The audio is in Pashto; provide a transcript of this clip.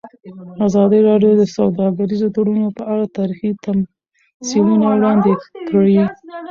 ازادي راډیو د سوداګریز تړونونه په اړه تاریخي تمثیلونه وړاندې کړي.